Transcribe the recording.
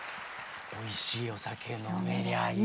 「美味しいお酒飲めりゃいい」。